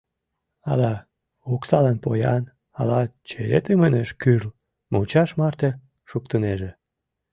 Ала оксалан поян, ала черетым ынеж кӱрл, мучаш марте шуктынеже.